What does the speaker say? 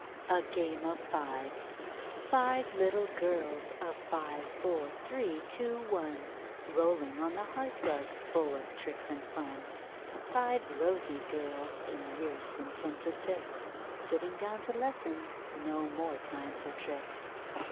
Five little girls, of Five, Four, Three, Two, One: Rolling on the hearthrug, full of tricks and fun. Five rosy girls, in years from Ten to Six: Sitting down to lessons no more time for tricks.